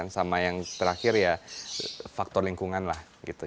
sama yang terakhir ya faktor lingkungan lah gitu